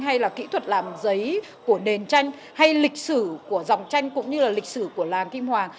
hay là kỹ thuật làm giấy của nền tranh hay lịch sử của dòng tranh cũng như là lịch sử của làng kim hoàng